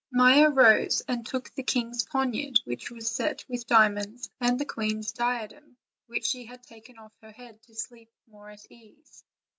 Maia rose and took the king's poniard, which was set with diamonds, and the queen's diadem, which she had taken off her head to sleep more at ease.